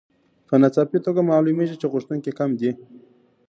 په ناڅاپي توګه معلومېږي چې غوښتونکي کم دي